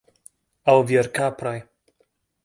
Aŭ virkapraj.